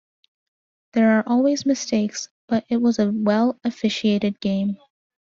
There are always mistakes, but it was a well-officiated game.